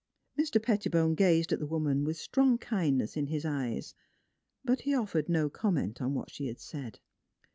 Mr. Pettibone gazed at the woman with strong kindness in his eyes. But he offered no comment on what she had said.